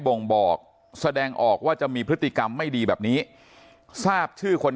บ่งบอกแสดงออกว่าจะมีพฤติกรรมไม่ดีแบบนี้ทราบชื่อคน